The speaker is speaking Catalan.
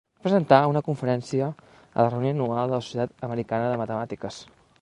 Va presentar una conferència a la reunió anual de la Societat Americana de Matemàtiques.